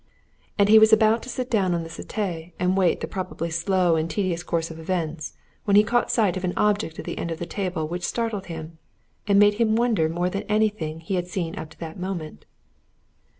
And he was about to sit down on the settee and wait the probably slow and tedious course of events, when he caught sight of an object at the end of the table which startled him, and made him wonder more than anything he had seen up to that moment.